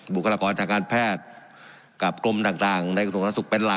บุคลากรทางการแพทย์กับกรมต่างในกระทรวงสาธารสุขเป็นหลัก